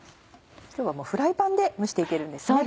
今日はフライパンで蒸して行けるんですね。